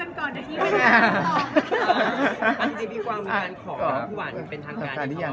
อันที่ดีกว่าคุณขอคุณหวันเป็นทางการที่เขา